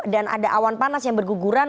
dan ada awan panas yang berguguran